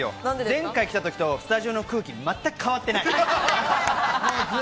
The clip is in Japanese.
前回来た時とスタジオの空気、全く変わってない。